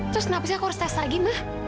terus kenapa aku harus test lagi ma